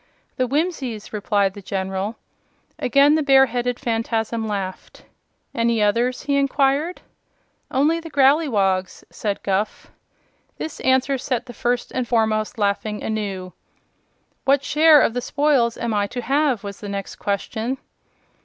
"The Whimsies," replied the General. Again the bear headed Phanfasm laughed. "Any others?" he inquired. "Only the Growleywogs," said Guph. This answer set the First and Foremost laughing anew. "What share of the spoils am I to have?" was the next question.